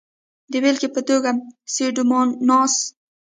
د بېلګې په توګه سیوډوموناس.